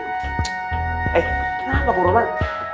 eh kenapa kok roman